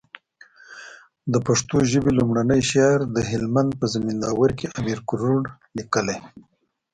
د پښتو ژبي لومړنی شعر د هلمند په زينداور کي امير کروړ ليکلی